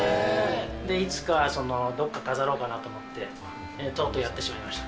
いつかその、どっか飾ろうかなと思って、とうとうやってしまいました。